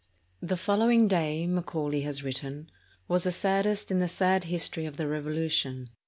"The following day," Macaulay has written, "was the saddest in the sad history of the Revolution.